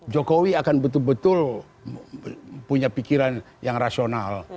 jokowi akan betul betul punya pikiran yang rasional